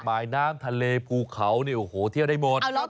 หมายน้ำทะเลภูเขาเที่ยวได้หมด